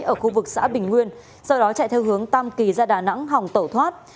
ở khu vực xã bình nguyên sau đó chạy theo hướng tam kỳ ra đà nẵng hỏng tẩu thoát